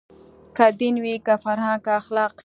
که دین وي که فرهنګ که اخلاق